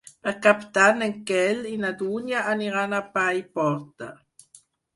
Per Cap d'Any en Quel i na Dúnia aniran a Paiporta.